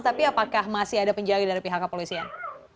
tapi apakah masih ada penjaga dari pihak kepolisian